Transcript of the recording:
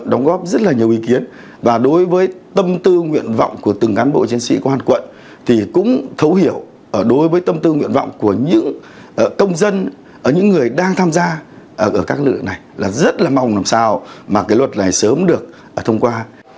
chúng tôi đóng góp rất là nhiều ý kiến và đối với tâm tư nguyện vọng của từng cán bộ chiến sĩ công an quận thì cũng thấu hiểu đối với tâm tư nguyện vọng của những công dân những người đang tham gia ở các lực này là rất là mong làm sao mà cái luật này sớm được thông qua